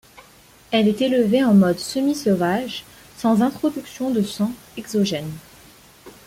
Elle est élevée en mode semi-sauvage, sans introduction de sang exogène.